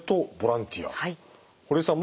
堀江さん